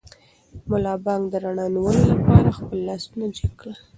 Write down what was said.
ملا بانګ د رڼا د نیولو لپاره خپل لاسونه جګ کړل.